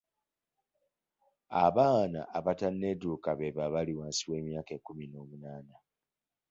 Abaana abatanetuuka beebo abali wansi w'emyaka ekkumi n'omunaana .